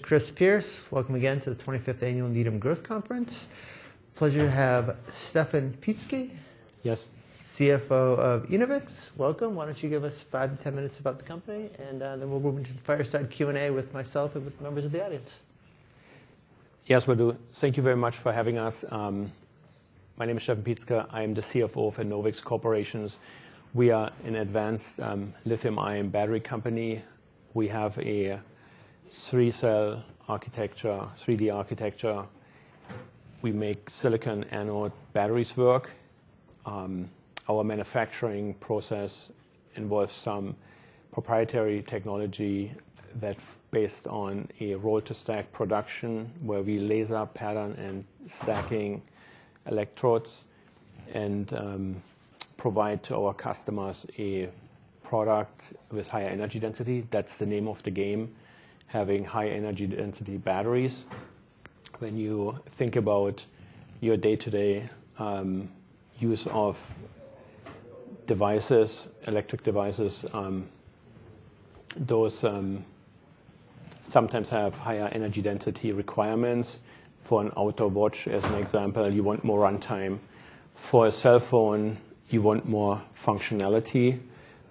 Welcome again to the 25th Annual Needham Growth Conference. Pleasure to have Steffen Pietzke. Yes. CFO of Enovix. Welcome. Why don't you give us five to 10 minutes about the company, and then we'll move into the fireside Q&A with myself and with members of the audience. Yes, will do. Thank you very much for having us. My name is Steffen Pietzke. I'm the CFO for Enovix Corporation. We are an advanced lithium-ion battery company. We have a 3D cell architecture, 3D architecture. We make silicon anode batteries work. Our manufacturing process involves some proprietary technology that's based on a roll-to-stack production, where we laser pattern and stacking electrodes and provide to our customers a product with higher energy density. That's the name of the game, having high-energy density batteries. When you think about your day-to-day use of devices, electric devices, those sometimes have higher energy density requirements. For an outdoor watch, as an example, you want more runtime. For a cell phone, you want more functionality.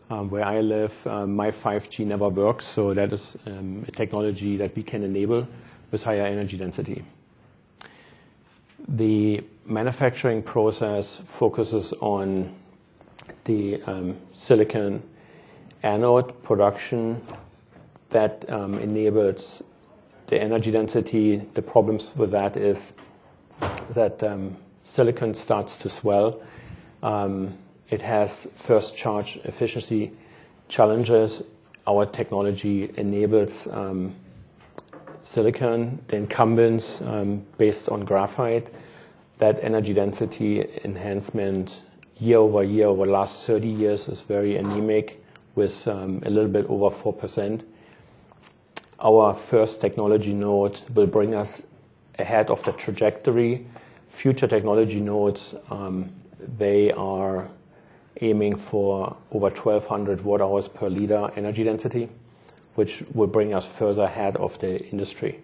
Where I live, my 5G never works, so that is a technology that we can enable with higher energy density. The manufacturing process focuses on the silicon anode production that enables the energy density. The problems with that is that silicon starts to swell. It has first charge efficiency challenges. Our technology enables silicon incumbents based on graphite. That energy density enhancement year-over-year over the last 30 years is very anemic with a little bit over 4%. Our first technology node will bring us ahead of the trajectory. Future technology nodes, they are aiming for over 1,200 watt-hours per liter energy density, which will bring us further ahead of the industry.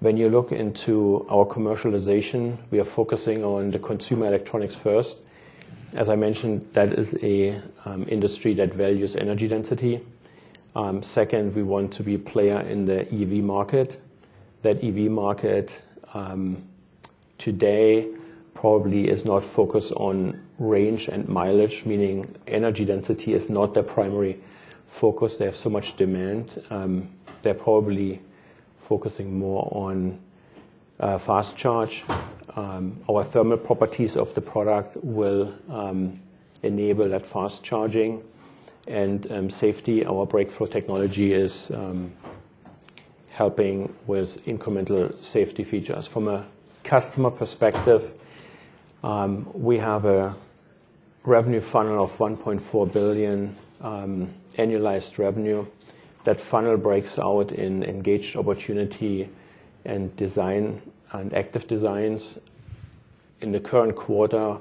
When you look into our commercialization, we are focusing on the consumer electronics first. As I mentioned, that is a industry that values energy density. Second, we want to be a player in the EV market. That EV market today probably is not focused on range and mileage, meaning energy density is not their primary focus. They have so much demand. They're probably focusing more on fast charge. Our thermal properties of the product will enable that fast charging and safety. Our breakthrough technology is helping with incremental safety features. From a customer perspective, we have a revenue funnel of $1.4 billion annualized revenue. That funnel breaks out in engaged opportunity and design and active designs. In the current quarter,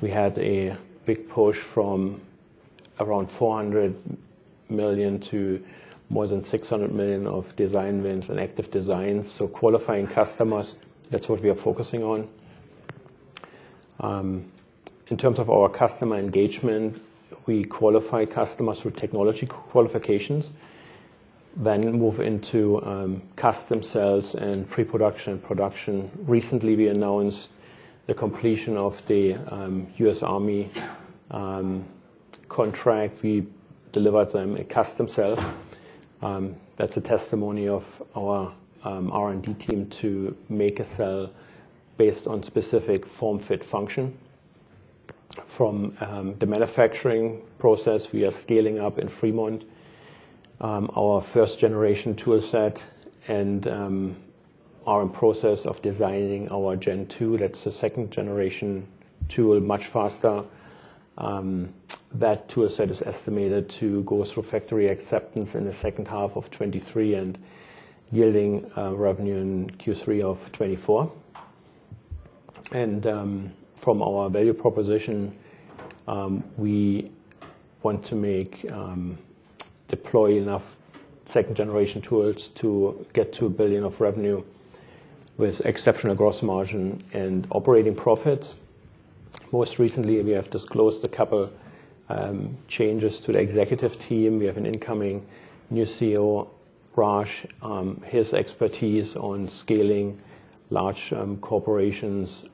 we had a big push from around $400 million to more than $600 million of design wins and active designs. Qualifying customers, that's what we are focusing on. In terms of our customer engagement, we qualify customers through technology qualifications, then move into custom cells and pre-production production. Recently, we announced the completion of the U.S. Army contract. We delivered them a custom cell. That's a testimony of our R&D team to make a cell based on specific form-fit function. From the manufacturing process, we are scaling up in Fremont, our first generation tool set, and are in process of designing our Gen2. That's a second generation tool, much faster. That tool set is estimated to go through Factory Acceptance in the second half of 2023 and yielding revenue in Q3 of 2024. From our value proposition, we want to deploy enough second generation tools to get to $1 billion of revenue with exceptional gross margin and operating profits. Most recently, we have disclosed a couple changes to the executive team. We have an incoming new CEO, Raj. His expertise on scaling large corporations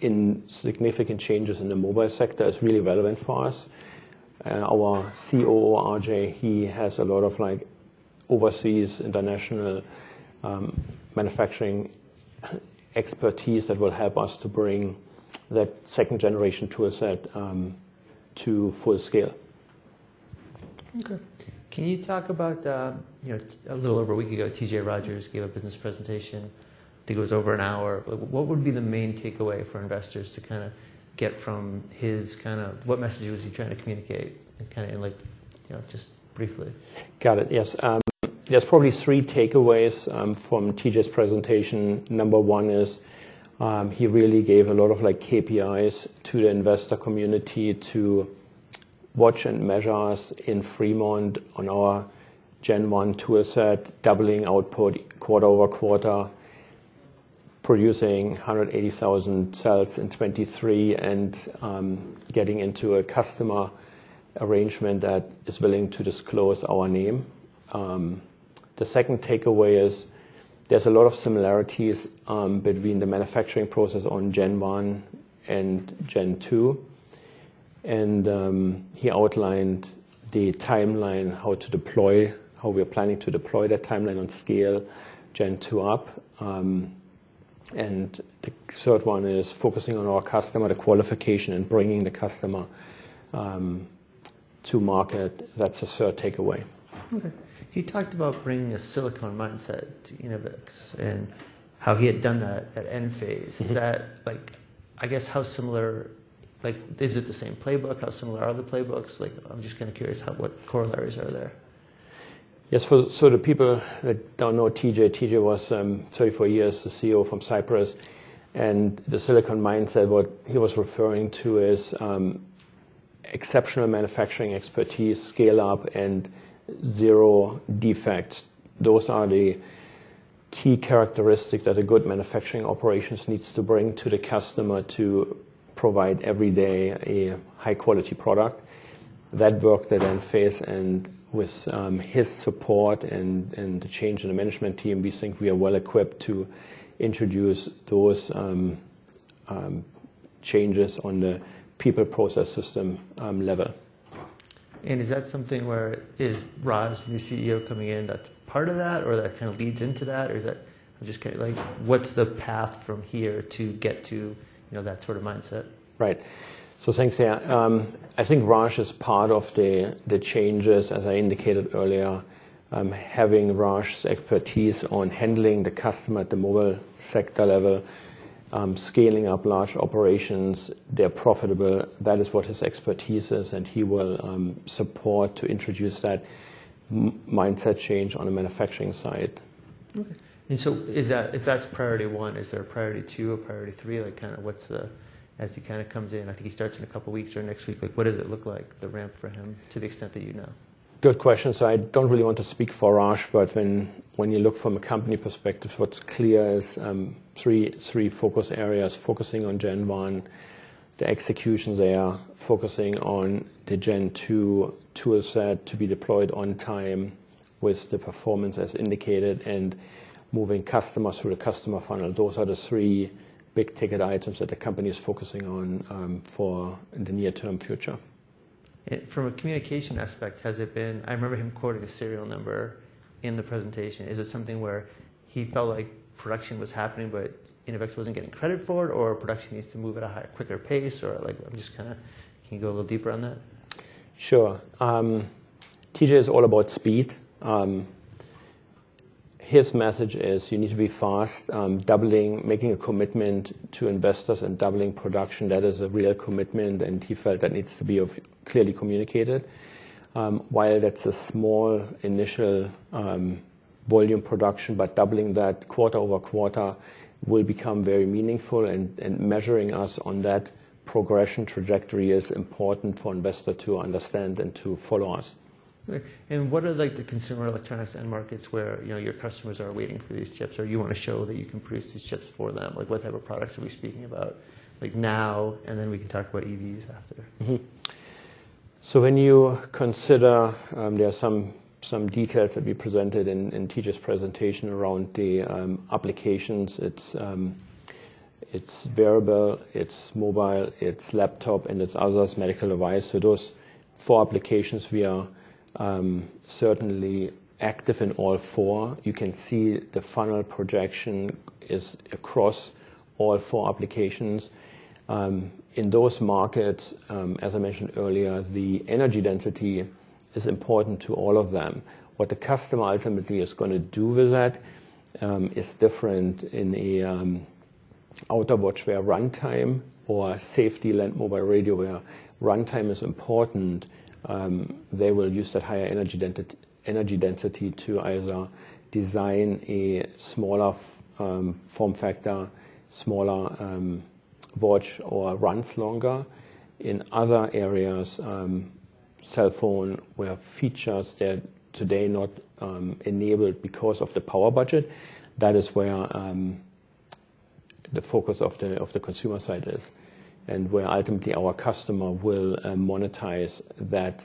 in significant changes in the mobile sector is really relevant for us. Our COO, RJ, he has a lot of overseas international manufacturing expertise that will help us to bring that second generation tool set to full scale. Okay. Can you talk about, you know, a little over a week ago, T.J. Rodgers gave a business presentation. I think it was over an hour. What would be the main takeaway for investors? What message was he trying to communicate, you know, just briefly? Got it. Yes. There's probably three takeaways from T.J.'s presentation. Number one is, he really gave a lot of like KPIs to the investor community to watch and measure us in Fremont on our Gen1 tool set, doubling output quarter-over-quarter. Producing 180,000 cells in 2023 and getting into a customer arrangement that is willing to disclose our name. The second takeaway is there's a lot of similarities between the manufacturing process on Gen1 and Gen2. He outlined the timeline, how we are planning to deploy that timeline and scale Gen2 up. The third one is focusing on our customer, the qualification and bringing the customer to market. That's the third takeaway. Okay. He talked about bringing a silicon mindset to Enovix and how he had done that at Enphase. Mm-hmm. Is that like, I guess how similar? Like, is it the same playbook? How similar are the playbooks? Like, I'm just kinda curious how what corollaries are there? Yes. The people that don't know T.J., was 34 years the CEO from Cypress, and the silicon mindset, what he was referring to is exceptional manufacturing expertise, scale-up, and zero defects. Those are the key characteristics that a good manufacturing operations needs to bring to the customer to provide every day a high quality product. That work that Enphase and with his support and the change in the management team, we think we are well equipped to introduce those changes on the people process system level. Is that something where is Raj, the new CEO coming in, that's part of that, or that kind of leads into that? I'm just, like, what's the path from here to get to, you know, that sort of mindset? Right. Thanks, yeah. I think Raj is part of the changes, as I indicated earlier. Having Raj's expertise on handling the customer at the mobile sector level, scaling up large operations, they're profitable. That is what his expertise is, and he will support to introduce that mindset change on the manufacturing side. Okay. If that's priority one, is there a priority two or priority three? Like kinda what's the? As he kinda comes in, I think he starts in a couple weeks or next week, like what does it look like, the ramp for him to the extent that you know? Good question. I don't really want to speak for Raj, but when you look from a company perspective, what's clear is three focus areas: focusing on Gen1, the execution there; focusing on the Gen2 tool set to be deployed on time with the performance as indicated; and moving customers through the customer funnel. Those are the three big-ticket items that the company is focusing on for in the near-term future. From a communication aspect, has it been... I remember him quoting a serial number in the presentation. Is it something where he felt like production was happening, but Enovix wasn't getting credit for it, or production needs to move at a higher, quicker pace? Like just kinda-- Can you go a little deeper on that? Sure. T.J. is all about speed. His message is you need to be fast, doubling, making a commitment to investors and doubling production. That is a real commitment, and he felt that needs to be clearly communicated. While that's a small initial volume production, but doubling that quarter-over-quarter will become very meaningful and measuring us on that progression trajectory is important for investor to understand and to follow us. Okay. What are like the consumer electronics end markets where, you know, your customers are waiting for these chips, or you wanna show that you can produce these chips for them? What type of products are we speaking about? Now, then we can talk about EVs after. When you consider, there are some details that we presented in T.J.'s presentation around the applications. It's wearable, it's mobile, it's laptop, and it's others medical device. Those four applications we are certainly active in all four. You can see the final projection is across all four applications. In those markets, as I mentioned earlier, the energy density is important to all of them. What the customer ultimately is gonna do with that is different. In a outdoor watch where runtime or safety lent mobile radio where runtime is important, they will use that higher energy density to either design a smaller form factor, smaller watch or runs longer. In other areas, cell phone where features that today not enabled because of the power budget, that is where the focus of the consumer side is and where ultimately our customer will monetize that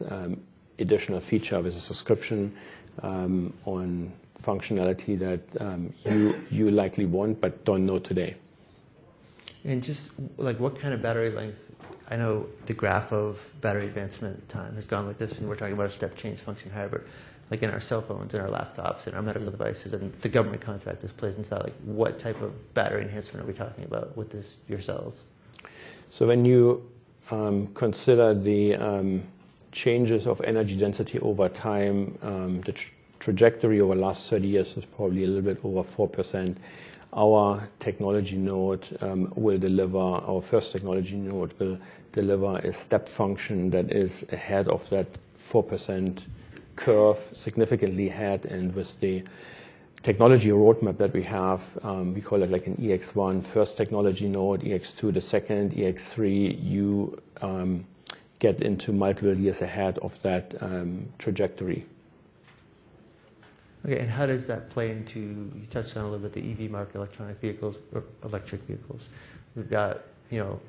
additional feature with a subscription on functionality that you likely want but don't know today. Just like what kind of battery length? I know the graph of battery advancement time has gone like this, and we're talking about a step change function. However, like in our cell phones, in our laptops, in our medical devices and the government contract this plays into that, like what type of battery enhancement are we talking about with this your cells? When you consider the changes of energy density over time, the trajectory over the last 30 years is probably a little bit over 4%. Our first technology node will deliver a step function that is ahead of that 4% curve, significantly ahead. With the technology roadmap that we have, we call it like an EX-1, first technology node, EX-2, the second, EX-3, you get into multiple years ahead of that trajectory. Okay. You touched on a little bit the EV market, electronic vehicles or electric vehicles. We've got, you know,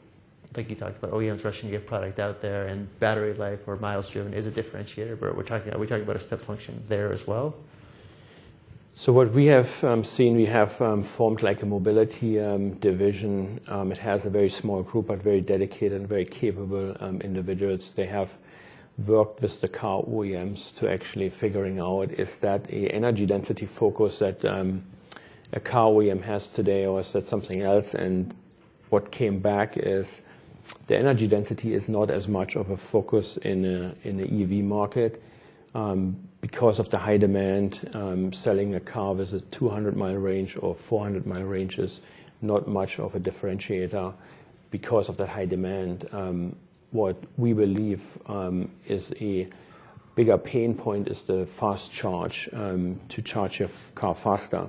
I think you talked about OEMs rushing to get product out there, and battery life or miles driven is a differentiator. Are we talking about a step function there as well? What we have seen, we have formed like a mobility division. It has a very small group but very dedicated and very capable individuals. They have worked with the car OEMs to actually figuring out is that a energy density focus that a car OEM has today, or is that something else? What came back is the energy density is not as much of a focus in the EV market because of the high demand. Selling a car with a 200 mi range or 400 mi range is not much of a differentiator because of the high demand. What we believe is a bigger pain point is the fast charge to charge your car faster.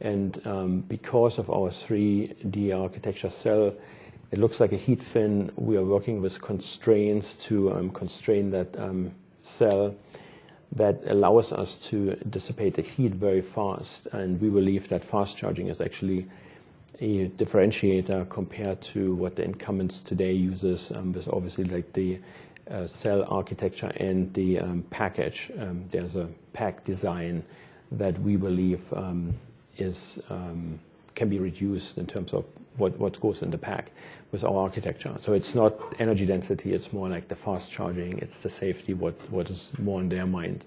Because of our 3D cell architecture, it looks like a heat fin. We are working with constraints to constrain that cell that allows us to dissipate the heat very fast. We believe that fast charging is actually a differentiator compared to what the incumbents today uses. There's obviously like the cell architecture and the package. There's a pack design that we believe is can be reduced in terms of what goes in the pack with our architecture. It's not energy density, it's more like the fast charging, it's the safety what is more on their mind.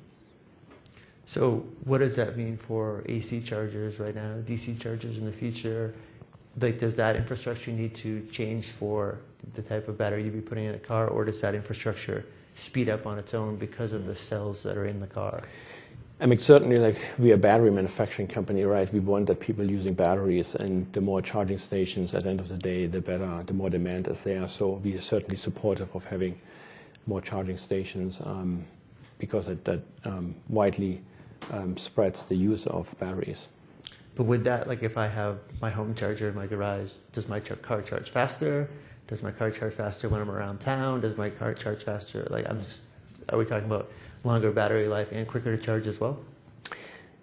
What does that mean for AC chargers right now, DC chargers in the future? Like, does that infrastructure need to change for the type of battery you'd be putting in a car, or does that infrastructure speed up on its own because of the cells that are in the car? I mean, certainly like we are a battery manufacturing company, right? We want the people using batteries, and the more charging stations at the end of the day, the better, the more demand is there. We are certainly supportive of having more charging stations, because that widely spreads the use of batteries. Like if I have my home charger in my garage, does my car charge faster? Does my car charge faster when I'm around town? Does my car charge faster? Like, I'm just... Are we talking about longer battery life and quicker to charge as well?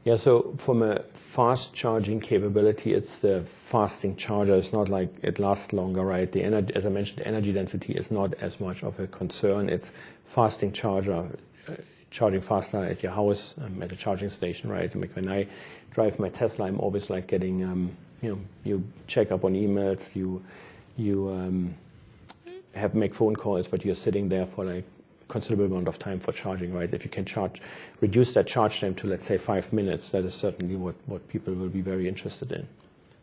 Yeah. From a fast charging capability, it's the fastest charger. It's not like it lasts longer, right? As I mentioned, energy density is not as much of a concern. It's fastest charger, charging faster at your house, at a charging station, right? Like when I drive my Tesla, I'm always like getting, you know, you check up on emails, you have make phone calls, but you're sitting there for like considerable amount of time for charging, right? If you can reduce that charge time to, let's say, five minutes, that is certainly what people will be very interested in.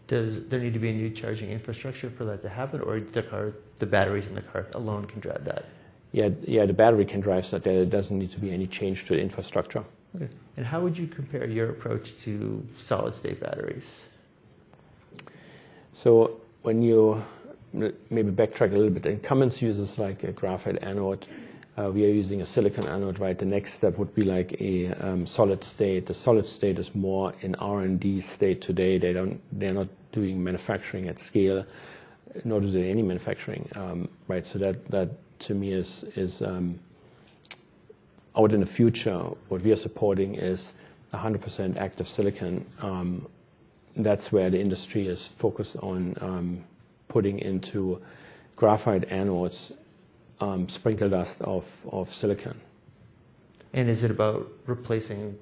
Does there need to be a new charging infrastructure for that to happen or the batteries in the car alone can drive that? Yeah. Yeah, the battery can drive that. There doesn't need to be any change to infrastructure. Okay. How would you compare your approach to solid-state batteries? When you maybe backtrack a little bit. Incumbents uses like a graphite anode. We are using a silicon anode, right? The next step would be like a solid state. The solid state is more in R&D state today. They're not doing manufacturing at scale, nor do they any manufacturing. Right. That, that to me is out in the future, what we are supporting is 100% active silicon. That's where the industry is focused on putting into graphite anodes, sprinkle dust of silicon. Is it about replacing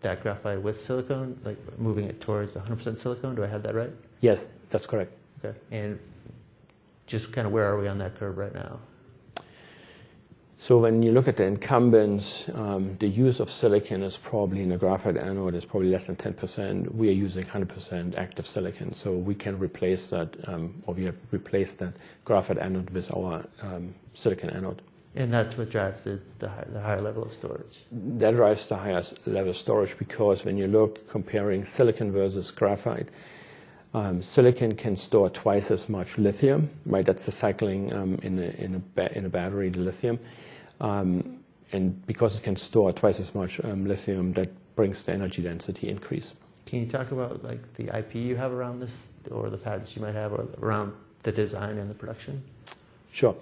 that graphite with silicon? Like moving it towards 100% silicon? Do I have that right? Yes, that's correct. Okay. Just kinda where are we on that curve right now? When you look at the incumbents, the use of silicon is probably in the graphite anode is probably less than 10%. We are using 100% active silicon. We can replace that, or we have replaced the graphite anode with our, silicon anode. That's what drives the high level of storage. That drives the highest level of storage because when you look comparing silicon versus graphite, silicon can store twice as much lithium, right? That's the cycling in a battery, the lithium. Because it can store twice as much lithium, that brings the energy density increase. Can you talk about like the IP you have around this or the patents you might have around the design and the production? Sure.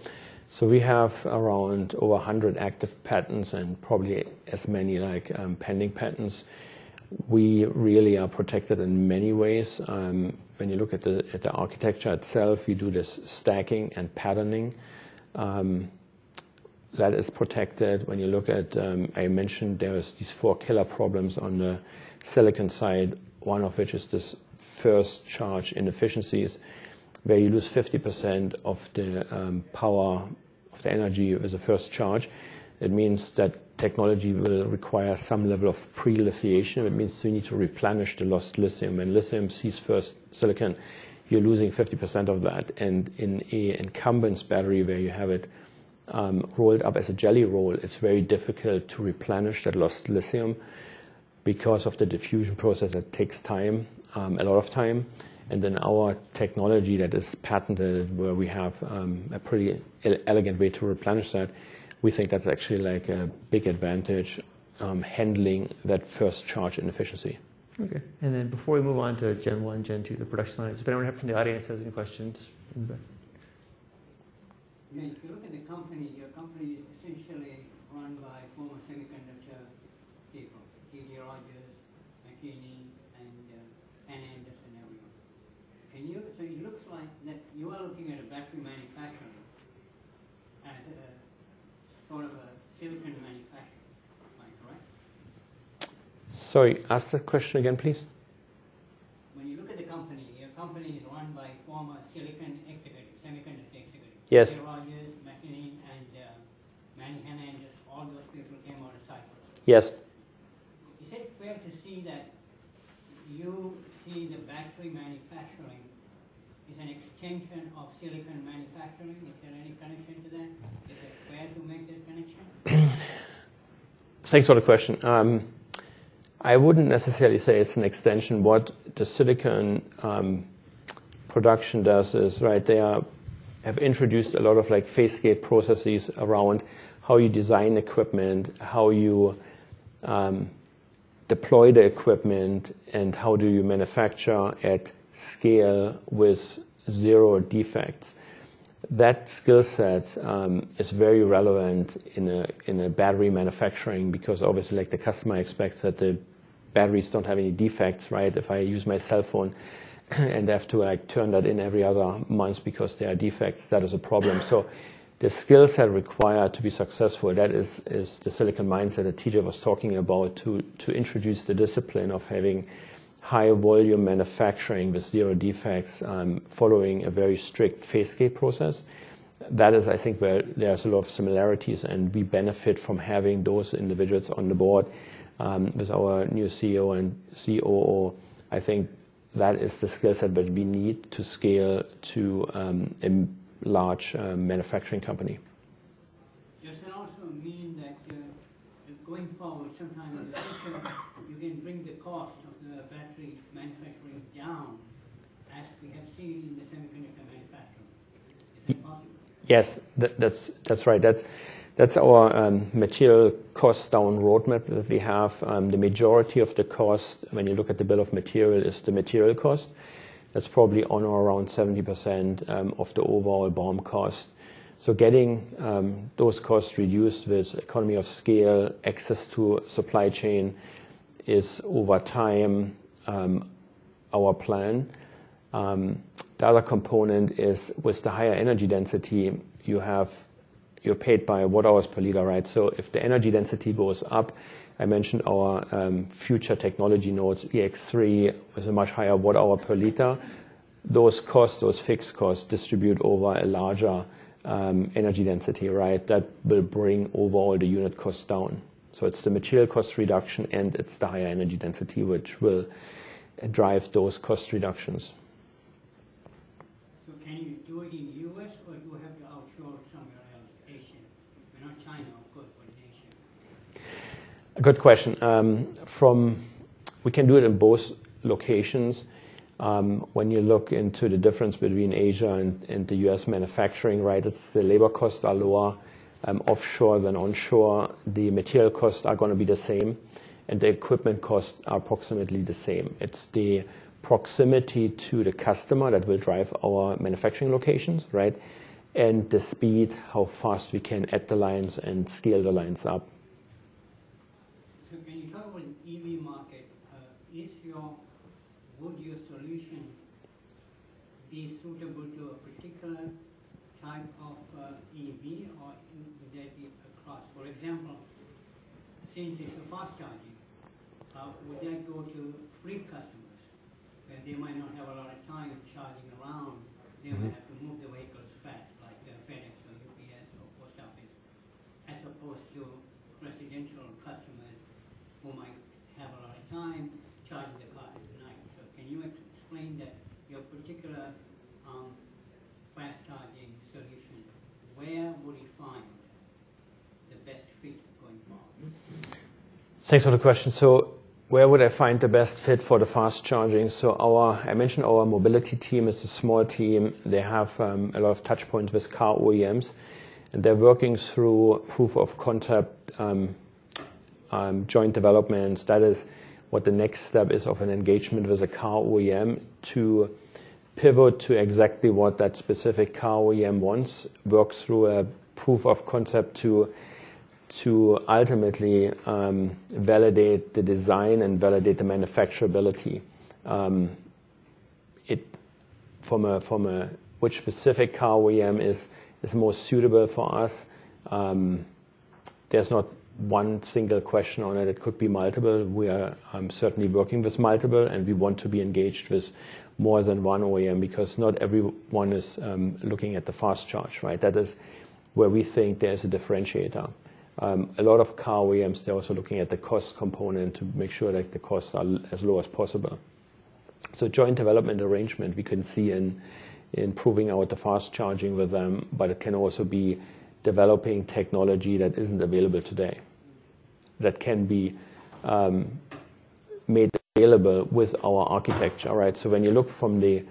We have around over 100 active patents and probably as many like, pending patents. We really are protected in many ways. When you look at the architecture itself, we do this stacking and patterning that is protected. When you look at, I mentioned there is these four killer problems on the silicon side, one of which is this first charge inefficiencies where you lose 50% of the power of the energy as a first charge. It means that technology will require some level of pre-lithiation. It means you need to replenish the lost lithium. When lithium sees first silicon, you're losing 50% of that. In an incumbent's battery where you have it, rolled up as a jelly roll, it's very difficult to replenish that lost lithium because of the diffusion process that takes time, a lot of time. Our technology that is patented where we have a pretty elegant way to replenish that, we think that's actually like a big advantage, handling that first charge inefficiency. Okay. Then before we move on to Gen1, Gen2, the production lines, if anyone from the audience has any questions? I mean, if you look at the company, your company is essentially run by former semiconductor people, T.J. Rodgers, Dan McCranie, and Anne Anderson, and everyone. It looks like that you are looking at a battery manufacturing as a form of a silicon manufacturing. Am I correct? Sorry, ask the question again, please. When you look at the company, your company is run by former semiconductor executives. Yes. T.J. Rodgers, McCranie, and Manny Hernandez, all those people came out of Cypress. Yes. Is it fair to say that you see the battery manufacturing is an extension of silicon manufacturing? Is there any connection to that? Is it fair to make that connection? Thanks for the question. I wouldn't necessarily say it's an extension. What the silicon production does is, right, they have introduced a lot of, like, phase-gate processes around how you design equipment, how you deploy the equipment, and how do you manufacture at scale with zero defects. That skill set is very relevant in a battery manufacturing because obviously, like, the customer expects that the batteries don't have any defects, right? If I use my cell phone and have to, like, turn that in every other month because there are defects, that is a problem. The skill set required to be successful, that is the silicon mindset that T.J. was talking about to introduce the discipline of having high-volume manufacturing with zero defects, following a very strict phase-gate process. That is, I think, where there are a lot of similarities, and we benefit from having those individuals on the board. With our new CEO and COO, I think that is the skill set that we need to scale to a large manufacturing company. Does that also mean that going forward sometime in the future, you can bring the cost of the battery manufacturing down as we have seen in the semiconductor manufacturing? Is it possible? Yes. That's, that's right. That's, that's our material cost down roadmap that we have. The majority of the cost when you look at the bill of material is the material cost. That's probably on or around 70%, of the overall BOM cost. Getting those costs reduced with economy of scale, access to supply chain is over time, our plan. The other component is with the higher energy density you have, you're paid by watt-hours per liter, right? If the energy density goes up, I mentioned our future technology nodes, EX-3 has a much higher watt-hour per liter. Those costs, those fixed costs distribute over a larger energy density, right? That will bring overall the unit cost down. It's the material cost reduction, and it's the higher energy density which will drive those cost reductions. Can you do it in U.S. or do you have to offshore somewhere else, Asian? Not China, of course, but Asia. Good question. We can do it in both locations. When you look into the difference between Asia and the U.S. manufacturing, right, it's the labor costs are lower offshore than onshore. The material costs are gonna be the same, and the equipment costs are approximately the same. It's the proximity to the customer that will drive our manufacturing locations, right? The speed, how fast we can add the lines and scale the lines up. When you talk about an EV market, would your solution be suitable to a particular type of EV or would that be across? For example, since it's a fast charging, would that go to fleet customers where they might not have a lot of time charging around- Mm-hmm. ...they would have to move the vehicles fast like FedEx or UPS or post office, as opposed to residential customers who might have a lot of time charging the cars at night. Can you explain that, your particular fast charging solution, where would you find the best fit going forward? Thanks for the question. Where would I find the best fit for the fast charging? I mentioned our mobility team is a small team. They have a lot of touch points with car OEMs, and they're working through proof of concept joint developments. That is what the next step is of an engagement with a car OEM to pivot to exactly what that specific car OEM wants. Work through a proof of concept to ultimately validate the design and validate the manufacturability. From a which specific car OEM is more suitable for us, there's not one single question on it. It could be multiple. We are certainly working with multiple, and we want to be engaged with more than one OEM because not everyone is looking at the fast charge, right? That is where we think there's a differentiator. A lot of car OEMs, they're also looking at the cost component to make sure that the costs are as low as possible. Joint development arrangement we can see in improving the fast charging with them, but it can also be developing technology that isn't available today, that can be made available with our architecture, right? When you look from the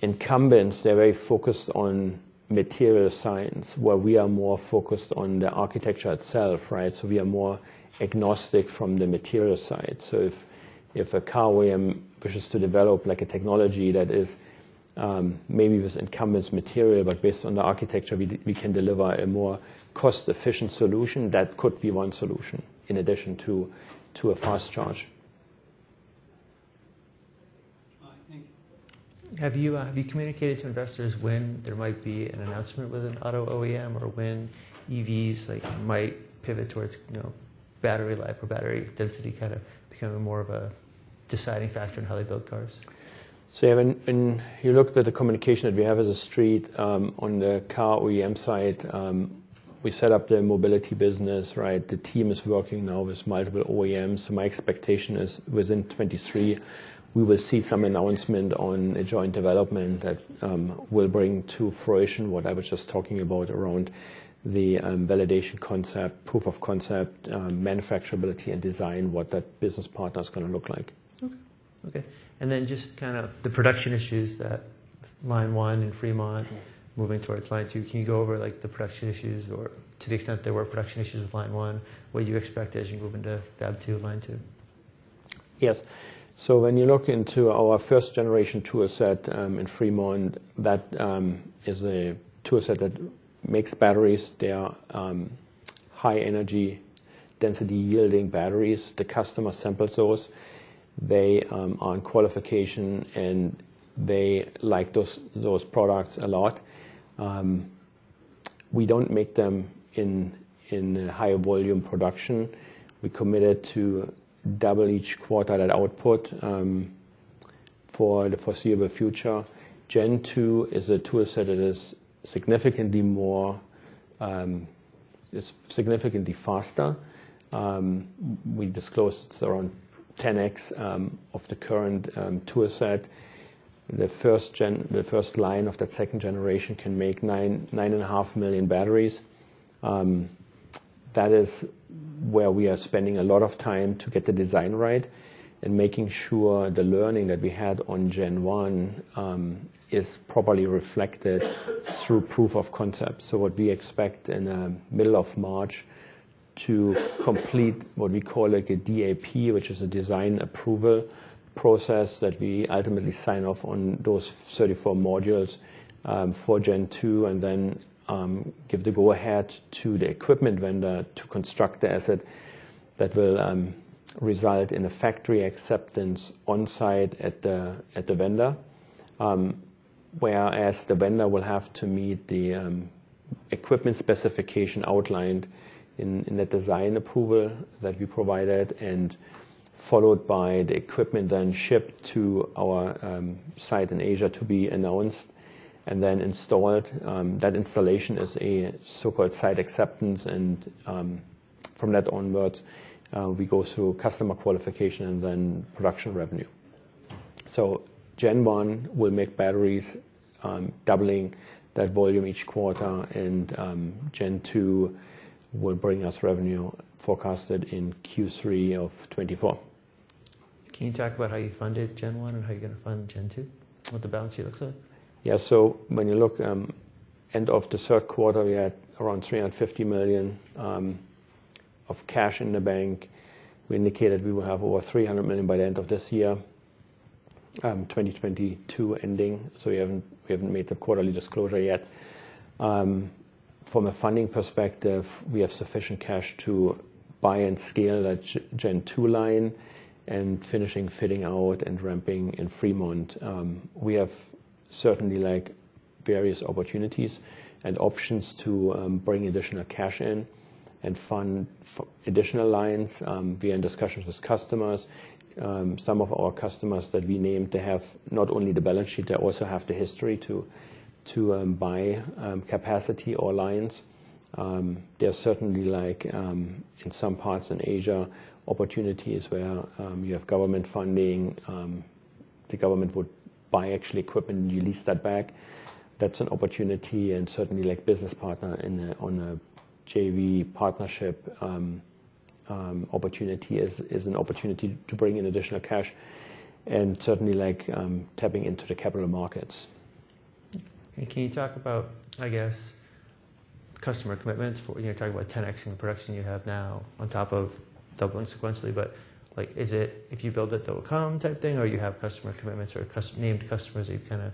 incumbents, they're very focused on material science, where we are more focused on the architecture itself, right? We are more agnostic from the material side. If a car OEM wishes to develop like a technology that is maybe with incumbents material, but based on the architecture, we can deliver a more cost-efficient solution. That could be one solution in addition to a fast charge. I think... Have you communicated to investors when there might be an announcement with an auto OEM or when EVs like might pivot towards, you know, battery life or battery density kinda becoming more of a deciding factor in how they build cars? When you look at the communication that we have as a street, on the car OEM side, we set up the mobility business, right? The team is working now with multiple OEMs. My expectation is within 2023, we will see some announcement on a joint development that will bring to fruition what I was just talking about around the validation concept, proof of concept, manufacturability and design, what that business partner is gonna look like. Okay. Okay. Just kind of the production issues that line one in Fremont. Yeah. Moving towards line two. Can you go over like the production issues or to the extent there were production issues with line one, what you expect as you move into Fab2, line two? Yes. When you look into our first generation tool set in Fremont, that is a tool set that makes batteries. They are high energy density yielding batteries. The customer sample source, they on qualification, and they like those products a lot. We don't make them in higher volume production. We're committed to double each quarter that output for the foreseeable future. Gen2 is a tool set that is significantly more, is significantly faster. We disclosed it's around 10x of the current tool set. The first line of that second generation can make 9.5 million batteries. That is where we are spending a lot of time to get the design right and making sure the learning that we had on Gen1 is properly reflected through proof of concept. What we expect in middle of March to complete what we call like a DAP, which is a Design Approval Process that we ultimately sign off on those 34 modules for Gen2, and then give the go-ahead to the equipment vendor to construct the asset that will result in a Factory Acceptance on-site at the vendor. Whereas the vendor will have to meet the equipment specification outlined in the Design Approval that we provided, and followed by the equipment then shipped to our site in Asia to be announced and then installed. That installation is a so-called Site Acceptance and, from that onwards, we go through customer qualification and then production revenue. Gen1 will make batteries, doubling that volume each quarter, and, Gen2 will bring us revenue forecasted in Q3 of 2024. Can you talk about how you funded Gen1 and how you're gonna fund Gen2? What the balance sheet looks like. When you look, end of the third quarter, we had around $350 million of cash in the bank. We indicated we will have over $300 million by the end of this year, 2022 ending. We haven't made the quarterly disclosure yet. From a funding perspective, we have sufficient cash to buy and scale a Gen2 line and finishing fitting out and ramping in Fremont. We have certainly like various opportunities and options to bring additional cash in and fund additional lines. We're in discussions with customers. Some of our customers that we named, they have not only the balance sheet, they also have the history to buy capacity or lines. There are certainly like, in some parts in Asia, opportunities where you have government funding. The government would buy actually equipment, and you lease that back. That's an opportunity and certainly like business partner on a JV partnership. opportunity is an opportunity to bring in additional cash and certainly like tapping into the capital markets. Can you talk about, I guess, customer commitments? You know, you're talking about 10x in the production you have now on top of doubling sequentially. Like, is it if you build it, they will come type thing, or you have customer commitments or named customers that you kinda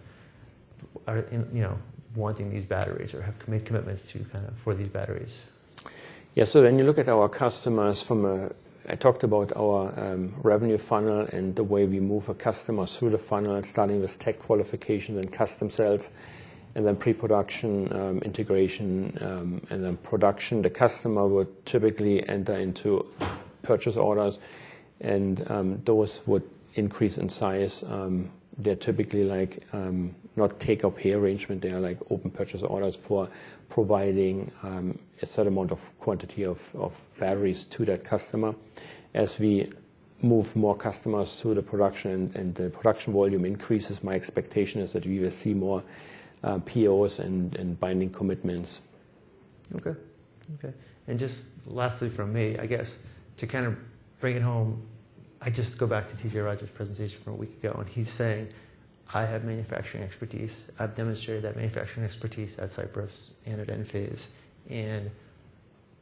Are in, you know, wanting these batteries or have made commitments to kinda for these batteries? Yeah. When you look at our customers from a I talked about our revenue funnel and the way we move a customer through the funnel, starting with tech qualification and custom cells, and then pre-production, integration, and then production. The customer would typically enter into purchase orders, and those would increase in size. They're typically like not take or pay arrangement. They are like open purchase orders for providing a certain amount of quantity of batteries to that customer. As we move more customers through the production and the production volume increases, my expectation is that we will see more POs and binding commitments. Okay. Okay. Just lastly from me, I guess, to kind of bring it home, I just go back to T.J. Rodgers' presentation from a week ago, he's saying, "I have manufacturing expertise. I've demonstrated that manufacturing expertise at Cypress and at Enphase.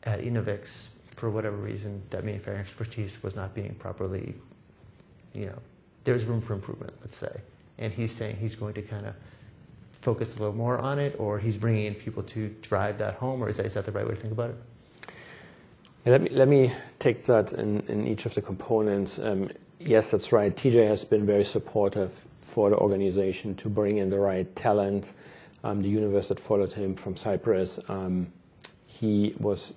At Enovix, for whatever reason, that manufacturing expertise was not being properly... You know, there's room for improvement, let's say. He's saying he's going to kind of focus a little more on it, or he's bringing in people to drive that home, or is that the right way to think about it? Let me take that in each of the components. Yes, that's right. T.J. has been very supportive for the organization to bring in the right talent, the universe that followed him from Cypress. He was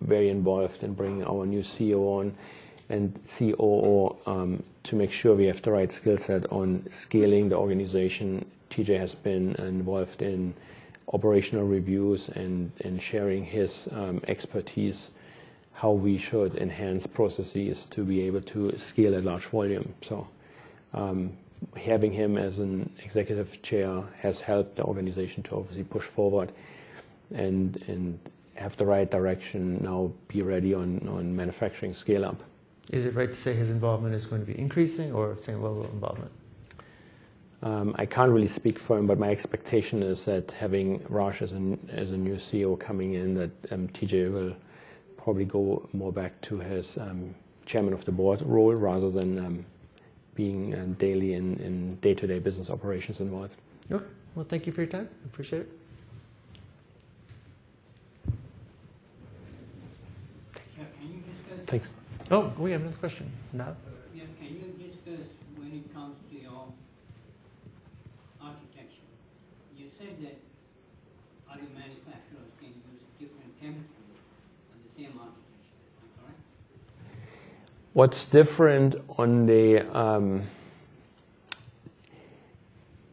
very involved in bringing our new CEO on and COO to make sure we have the right skill set on scaling the organization. T.J. has been involved in operational reviews and sharing his expertise, how we should enhance processes to be able to scale at large volume. Having him as an executive chair has helped the organization to obviously push forward and have the right direction now be ready on manufacturing scale-up. Is it right to say his involvement is going to be increasing or same level of involvement? I can't really speak for him, my expectation is that having Raj as a new CEO coming in, that T.J. will probably go more back to his chairman of the board role rather than being daily in day-to-day business operations involved. Yeah. Well, thank you for your time. I appreciate it. Thank you. Can you? Thanks. Oh, we have another question. Now. Yes. Can you discuss when it comes to your architecture, you said that other manufacturers can use different chemistry on the same architecture? Is that correct?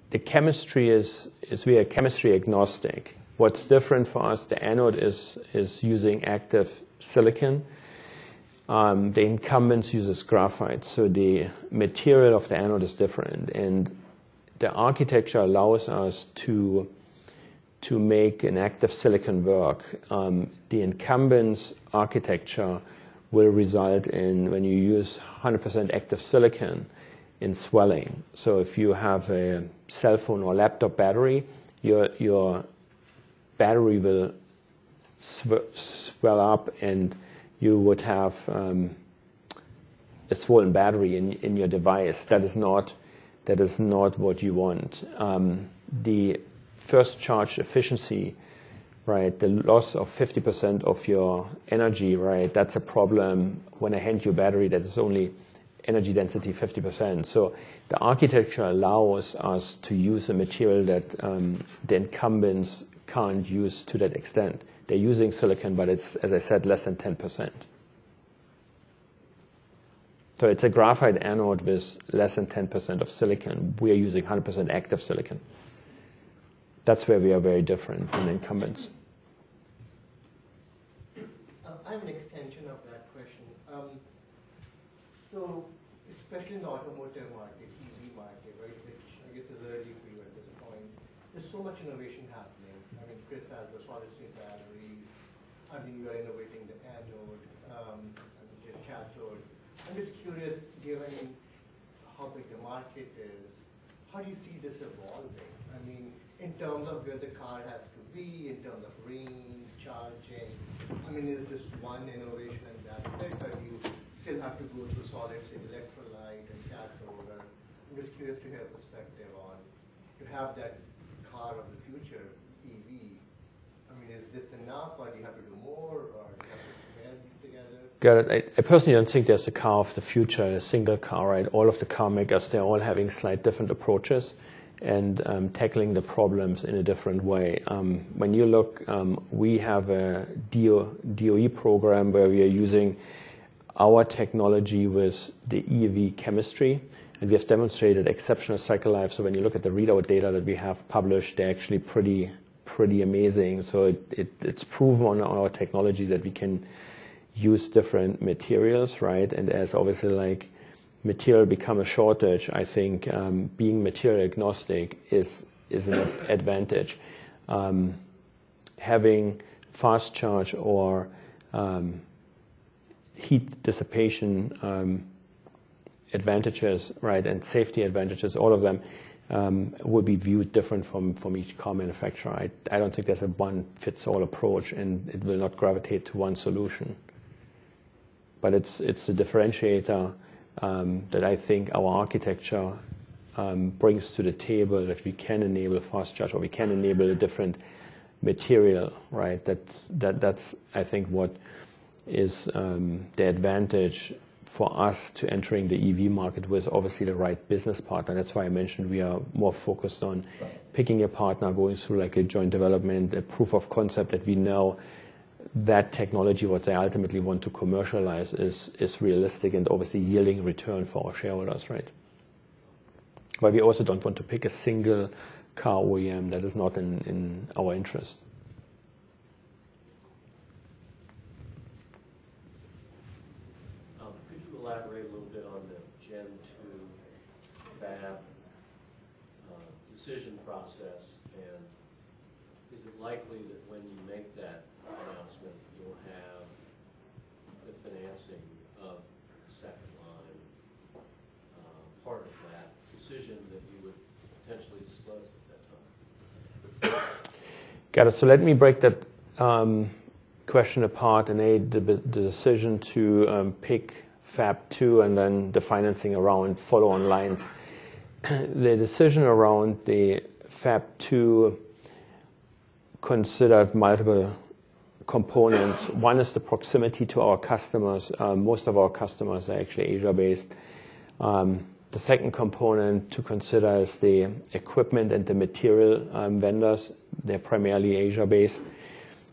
The chemistry is we are chemistry agnostic. What's different for us, the anode is using active silicon. The incumbents uses graphite, the material of the anode is different. The architecture allows us to make an active silicon work. The incumbents architecture will result in when you use 100% active silicon in swelling. If you have a cellphone or laptop battery, your battery will swell up and you would have a swollen battery in your device. That is not what you want. The First Charge Efficiency, right, the loss of 50% of your energy, right? That's a problem when I hand you a battery that is only energy density 50%. The architecture allows us to use a material that the incumbents can't use to that extent. They're using silicon, but it's, as I said, less than 10%. It's a graphite anode with less than 10% of silicon. We are using 100% active silicon. That's where we are very different from incumbents. I have an extension of that question. Especially in the automotive market, EV market, right? Which I guess is already free at this point. There's so much innovation happening. Chris has the solid-state batteries. You are innovating the anode, the cathode. I'm just curious, given how big the market is, how do you see this evolving? In terms of where the car has to be, in terms of range, charging. Is this one innovation and that's it? Or do you still have to go through solid-state electrolyte and cathode? I'm just curious to hear perspective on to have that car of the future EV. Is this enough or do you have to do more, or do you have to blend these together? Got it. I personally don't think there's a car of the future in a single car, right? All of the car makers, they're all having slight different approaches and tackling the problems in a different way. When you look, we have a DOE program where we are using our technology with the EV chemistry, and we have demonstrated exceptional cycle life. When you look at the readout data that we have published, they're actually pretty amazing. It's proven on our technology that we can use different materials, right? As obviously like material become a shortage, I think, being material agnostic is an advantage. Having fast charge or heat dissipation advantages, right, and safety advantages, all of them will be viewed different from each car manufacturer. I don't think there's a one fits all approach and it will not gravitate to one solution. It's a differentiator that I think our architecture brings to the table that we can enable fast charge or we can enable a different material, right? That's I think what is the advantage for us to entering the EV market with obviously the right business partner. That's why I mentioned we are more focused. Right. picking a partner, going through like a joint development, a proof of concept that we know that technology, what they ultimately want to commercialize is realistic and obviously yielding return for our shareholders, right? We also don't want to pick a single car OEM that is not in our interest. Could you elaborate a little bit on the Gen2 Fab2 decision process? Is it likely that when you make that announcement you'll have the financing of the second line? Part of that decision that you would potentially disclose at that time. Got it. Let me break that question apart. A, the decision to pick Fab2 and then the financing around follow-on lines. The decision around the Fab2 considered multiple components. One is the proximity to our customers. Most of our customers are actually Asia-based. The second component to consider is the equipment and the material vendors. They're primarily Asia-based.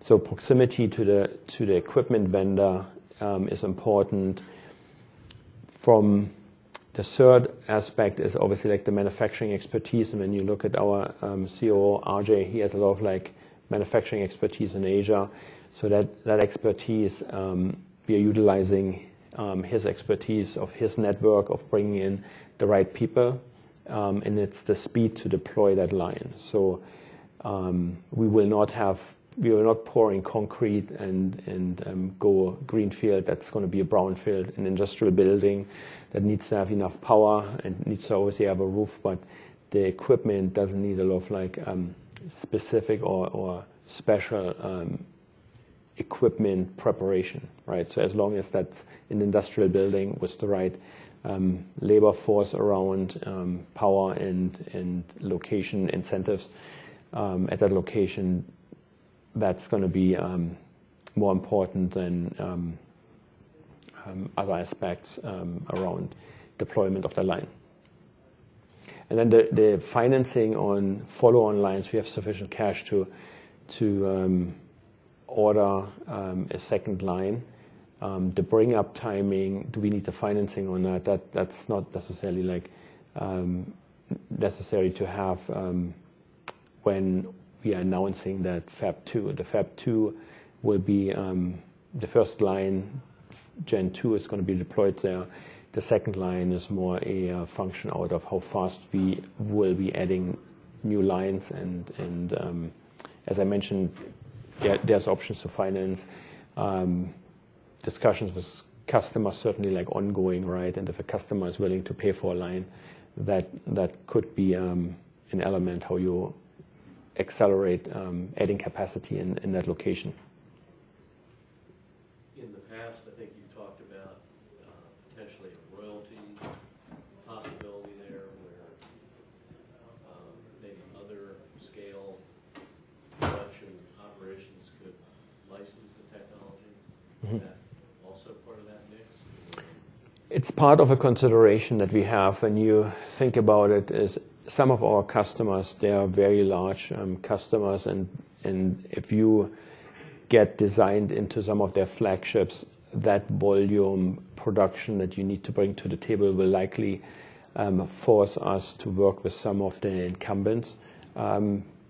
Proximity to the equipment vendor is important. The third aspect is obviously like the manufacturing expertise. When you look at our COO, RJ, he has a lot of like manufacturing expertise in Asia. That expertise we are utilizing his expertise of his network of bringing in the right people, and it's the speed to deploy that line. We are not pouring concrete and go greenfield. That's gonna be a brownfield, an industrial building that needs to have enough power and needs to obviously have a roof. The equipment doesn't need a lot of like specific or special equipment preparation, right? As long as that's an industrial building with the right labor force around power and location incentives at that location, that's gonna be more important than other aspects around deployment of the line. The financing on follow-on lines, we have sufficient cash to order a second line. The bring-up timing, do we need the financing or not? That's not necessarily like necessary to have when we are announcing that Fab2. The Fab2 will be the first line. Gen2 is going to be deployed there. The second line is more a function out of how fast we will be adding new lines and, as I mentioned, there's options to finance. Discussions with customers certainly like ongoing, right. If a customer is willing to pay for a line, that could be an element how you accelerate adding capacity in that location. In the past, I think you talked about, potentially a royalty possibility there where, maybe other scale production operations could license the technology. Mm-hmm. Is that also part of that mix? It's part of a consideration that we have. When you think about it is some of our customers, they are very large customers, if you get designed into some of their flagships, that volume production that you need to bring to the table will likely force us to work with some of the incumbents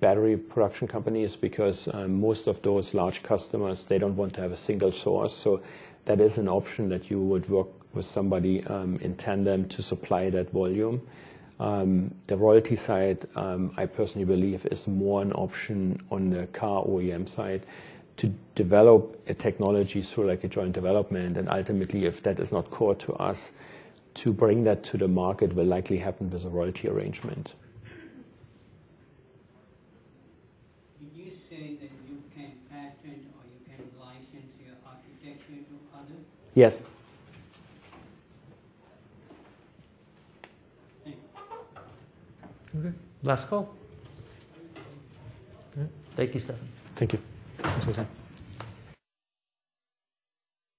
battery production companies, because most of those large customers, they don't want to have a single source. That is an option that you would work with somebody in tandem to supply that volume. The royalty side, I personally believe is more an option on the car OEM side to develop a technology through like a joint development ultimately if that is not core to us, to bring that to the market will likely happen as a royalty arrangement. Did you say that you can patent or you can license your architecture to others? Yes. Thank you. Okay. Last call. Okay. Thank you, Steffen. Thank you. That's what I said.